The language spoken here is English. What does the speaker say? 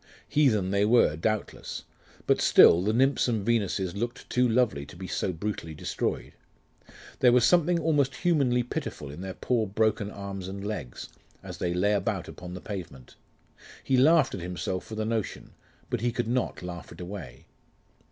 Heathen they were, doubtless; but still, the Nymphs and Venuses looked too lovely to be so brutally destroyed... There was something almost humanly pitiful in their poor broken arms and legs, as they lay about upon the pavement.... He laughed at himself for the notion; but he could not laugh it away.